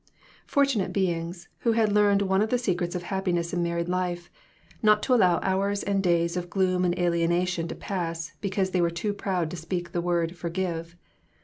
Fortunate beings, who had learned one of the secrets of happiness in married life not to allow hours and days of gloom and alienation to pass because they were too proud to speak the word "forgive."